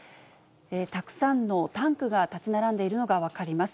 たくさんのタンクが立ち並んでいるのが分かります。